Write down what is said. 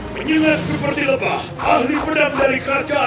kita selesaikan saat ini juga